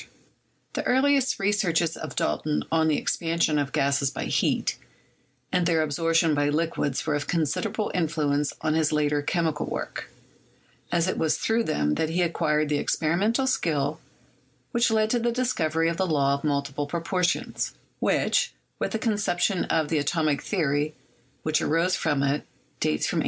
i8* CHEMISTRY The earlier researches of Dalton on the expansion of gases by heat and their absorption by liquids were of considerable influence on his later chemical work, as it was through them that he acquired the experimental skill which led to the discovery of the law of multiple propor tions, which, with the conception of the atomic theory which arose from it, dates from 1802.